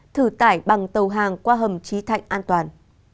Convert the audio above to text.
thử tải bằng tàu hàng qua hầm trí thạnh an toàn